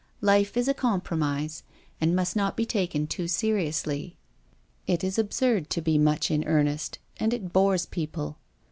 Life is a com promise, and must not be taken too seriously. A YOUNG GIRL. 53 It is absurd to be much in earnest, and it bores people.